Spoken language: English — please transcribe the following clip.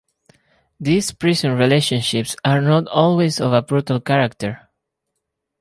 These prison relationships are not always of a brutal character.